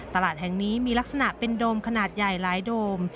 ตลาดแห่งนี้มีลักษณะเป็นโดมขนาดใหญ่หลายโดม